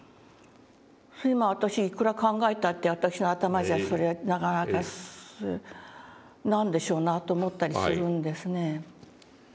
それまあ私いくら考えたって私の頭じゃそれなかなか「何でしょうな？」と思ったりするんですね。